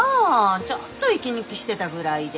ちょっと息抜きしてたぐらいで。